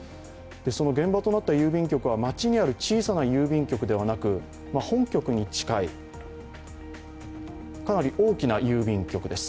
その現場となった郵便局は町にある小さな郵便局ではなく本局に近い、かなり大きな郵便局です。